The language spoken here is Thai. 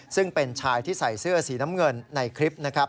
ซึ่งเป็นชายที่ใส่เสื้อสีน้ำเงินในคลิปนะครับ